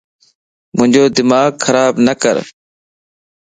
مانجو دماغ خراب نڪر